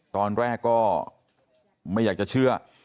ตอนแรกก็ไม่อยากจะเชื่อ